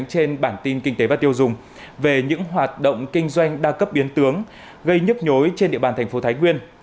trên bản tin kinh tế và tiêu dùng về những hoạt động kinh doanh đa cấp biến tướng gây nhức nhối trên địa bàn thành phố thái nguyên